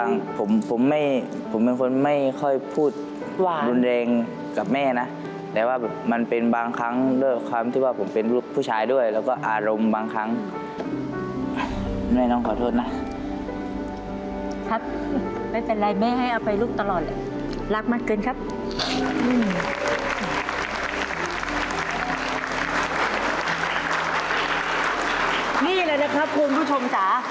นี่เลยนะครับคุณผู้ชมจ๋า